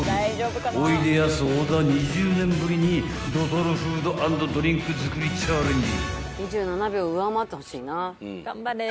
［おいでやす小田２０年ぶりにドトールフード＆ドリンク作りチャレンジ］